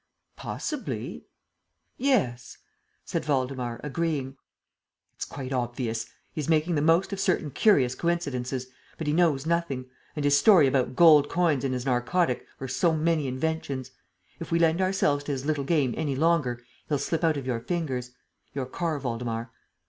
"Possibly ... yes ..." said Waldemar, agreeing. "It's quite obvious! He is making the most of certain curious coincidences, but he knows nothing; and his story about gold coins and his narcotic are so many inventions! If we lend ourselves to his little game any longer, he'll slip out of your fingers. Your car, Waldemar."